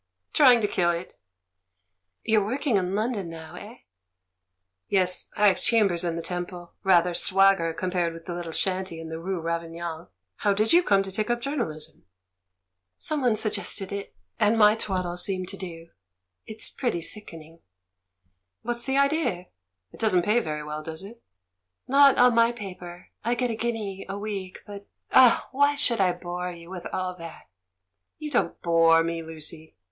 "Trying to kill it." "You're working in London now, eh?" "Yes, I've chambers in the Temple. Rather swagger compared with the little shanty in the rue Ravignan. How did you come to take up journalism?" "Someone suggested it — and my twaddle seemed to do. It's pretty sickening." "What's the idea — it doesn't pay very well, does it?" "Not on my paper; I get a guinea a week, but Oh, why should I bore you with all that?" "You don't 'bore' me, Lucy."